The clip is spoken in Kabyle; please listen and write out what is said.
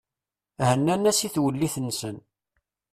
Hennan-as i twellit-nsen.